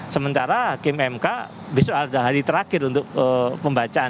sementara hakim mk besok ada hari terakhir untuk pembacaan